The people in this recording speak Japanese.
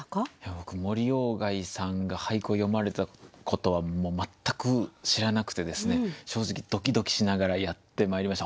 僕森鴎外さんが俳句を詠まれたことは全く知らなくてですね正直ドキドキしながらやってまいりました。